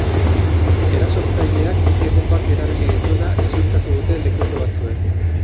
Erasotzaileak ke-bonbak erabili dituela ziurtatu dute lekuko batzuek.